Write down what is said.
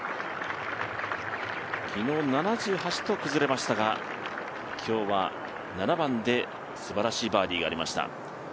昨日７８と崩れましたが、今日は７番ですばらしいバーディーがありました。